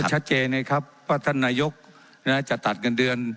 ก็ชัดเจนมั้ยครับพ่อท่านนโยคน่าจะตัดเงินเดือน